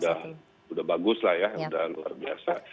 sudah bagus lah ya sudah luar biasa